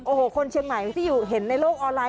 โอ้โหคนเชียงใหม่ที่เห็นในโลกออนไลน